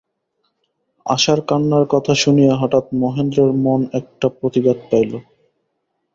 আশার কান্নার কথা শুনিয়া হঠাৎ মহেন্দ্রের মন একটা প্রতিঘাত পাইল।